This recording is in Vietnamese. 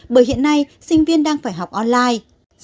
bởi hiện nay sinh viên đang phải học online